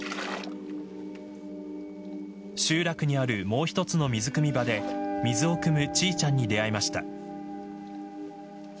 集落にあるもう一つの水くみ場で水をくむチーチャンに出会いました。